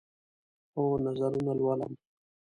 هو، نظرونه لولم